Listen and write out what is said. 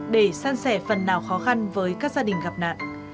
để san sẻ phần nào khó khăn với các gia đình gặp nạn